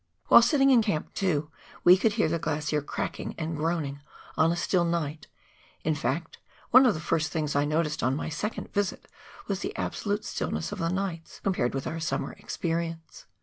While sitting in Camp 2, we could hear the glacier cracking and groaning on a still night ; in fact, one of the first things I noticed on my second visit was the absolute stillness of the nights, compared with our summer experience.